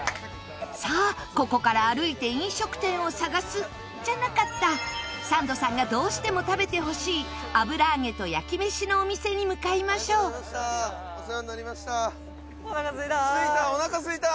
さあ、ここから歩いて飲食店を探すじゃなかった、サンドさんがどうしても食べてほしいあぶらあげと焼きめしのお店に向かいましょう宮田：おなかすいた！